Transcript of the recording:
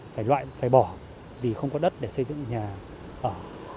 phải loại phải bỏ vì không có đất để xây dựng nhà ở